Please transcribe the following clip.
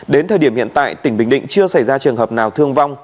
đến thời điểm hiện tại tỉnh bình định chưa xảy ra trường hợp nào thương vong